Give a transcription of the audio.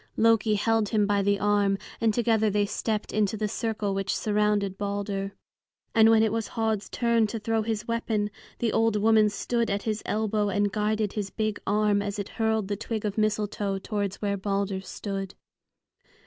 Loki held him by the arm, and together they stepped into the circle which surrounded Balder. And when it was Höd's turn to throw his weapon, the old woman stood at his elbow and guided his big arm as it hurled the twig of mistletoe towards where Balder stood.